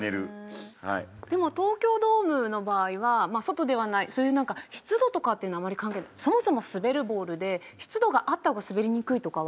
でも東京ドームの場合は外ではないそういう湿度とかっていうのはあまり関係ない？そもそも滑るボールで湿度があった方が滑りにくいとかはあるんですか？